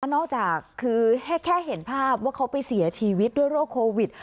นอกจากคือแค่เห็นภาพว่าเขาไปเสียชีวิตด้วยโรคโควิด